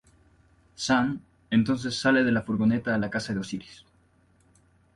Sam, entonces sale de la furgoneta a la caza de Osiris.